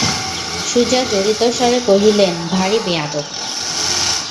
সুজা জড়িত স্বরে কহিলেন, ভারী বেআদব!